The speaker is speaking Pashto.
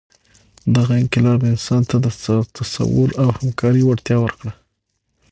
دغه انقلاب انسان ته د تصور او همکارۍ وړتیا ورکړه.